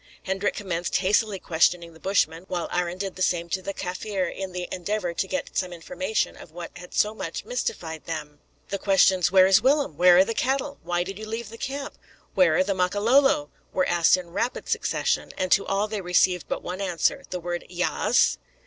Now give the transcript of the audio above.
Hendrik commenced hastily questioning the Bushman, while Arend did the same to the Kaffir, in the endeavour to get some information of what had so much mystified them. The questions "Where is Willem?" "Where are the cattle?" "Why did you leave the camp?" "Where are the Makololo?" were asked in rapid succession, and to all they received but one answer, the word "Yaas."